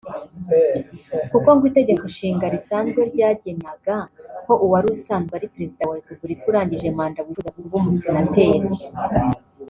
kuko ngo Itegeko Nshinga risanzwe ryagenaga ko uwari usanzwe ari Perezida wa Repubulika urangije manda wifuza kuba umusenateri